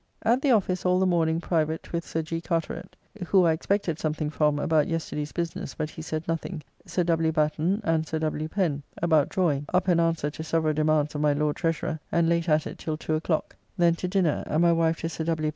At the office all the morning private with Sir G. Carteret (who I expected something from about yesterday's business, but he said nothing), Sir W. Batten, and Sir W. Pen, about drawing; up an answer to several demands of my Lord Treasurer, and late at it till 2 o'clock. Then to dinner, and my wife to Sir W.